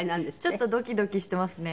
ちょっとドキドキしてますね。